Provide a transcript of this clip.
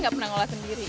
gak pernah ngolah sendiri